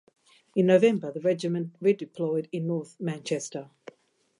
In November the regiment redeployed in North Manchester.